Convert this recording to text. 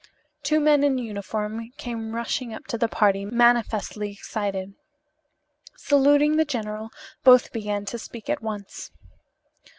Two men in uniform came rushing up to the party, manifestly excited. Saluting the general, both began to speak at once.